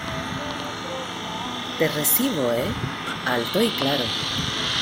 te recibo, ¿ eh? alto y claro.